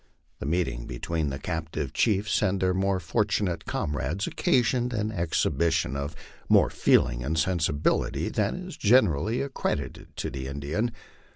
The meeting between the captive chiefs and their more fortunate com rades occasioned an exhibition of more feeling and sensibility than is generally accredited to the Indian.